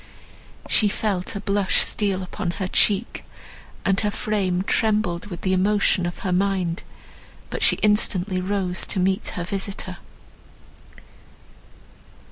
She felt a blush steal upon her cheek, and her frame trembled with the emotion of her mind; but she instantly rose to meet her visitor.